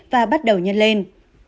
và bắt đầu nhân lên